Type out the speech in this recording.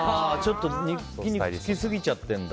筋肉がつきすぎちゃってるんだ。